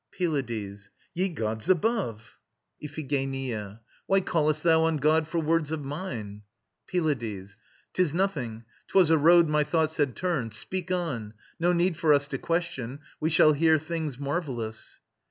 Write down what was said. PYLADES. Ye Gods above! IPHIGENIA. Why callest thou on God For words of mine? PYLADES. 'Tis nothing. 'Twas a road My thoughts had turned. Speak on. No need for us To question; we shall hear things marvellous.